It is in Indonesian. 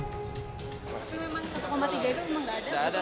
tapi memang satu tiga itu memang tidak ada ya pak